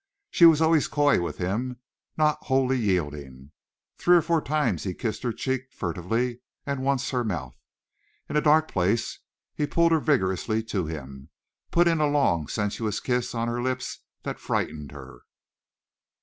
She was always coy with him, not wholly yielding. Three or four times he kissed her cheek furtively and once her mouth. In a dark place he pulled her vigorously to him, putting a long, sensuous kiss on her lips that frightened her.